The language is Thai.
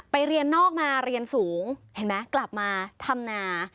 เรียนนอกมาเรียนสูงเห็นไหมกลับมาทำนา